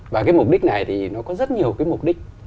và cái mục đích này thì nó có rất nhiều cái mục đích